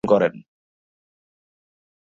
তিনি অ্যান্টিনোয়াসকে নির্বাচন করেন।